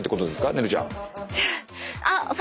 ねるちゃん。